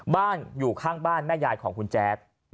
อยู่ข้างบ้านแม่ยายของคุณแจ๊ด